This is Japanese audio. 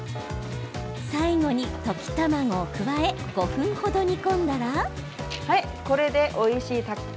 最後に溶き卵を加え５分程、煮込んだら。